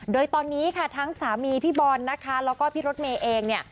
โดยตอนนี้ค่ะทั้งสามีพี่บอลนะคะแล้วก็พี่รถเมย์เองเนี่ย